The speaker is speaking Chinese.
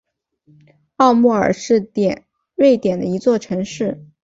奥莫尔是瑞典的一座城市。